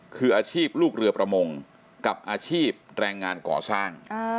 คืออาชีพลูกเรือประมงกับอาชีพแรงงานก่อสร้าง